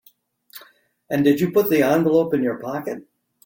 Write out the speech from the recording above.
And did you put the envelope in your pocket?